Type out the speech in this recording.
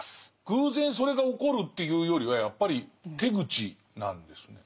偶然それが起こるっていうよりはやっぱり手口なんですね。